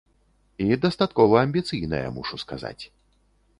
І дастаткова амбіцыйная, мушу сказаць.